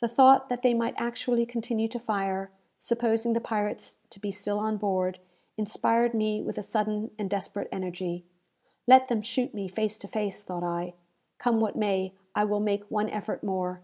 The thought that they might actually continue to fire, supposing the pirates to be still on board, inspired me with a sudden and desperate energy. "Let them shoot me face to face," thought I. "Come what may, I will make one effort more!"